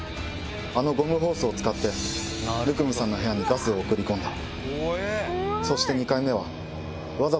あのゴムホースを使って生見さんの部屋にガスを送り込んだ。